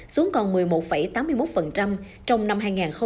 xuống còn một mươi một tám mươi một trong năm hai nghìn một mươi tám